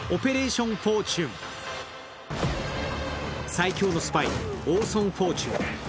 最強のスパイ、オーソン・フォーチュン。